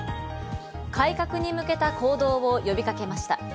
改革に向けた行動を呼びかけました。